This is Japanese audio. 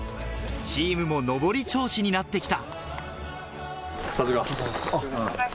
チームものぼり調子になってきた。